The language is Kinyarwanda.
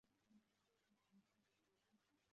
Umuntu aringaniza kuruhande rumwe